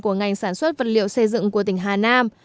của ngành sản xuất vật liệu xây dựng của tỉnh hà nam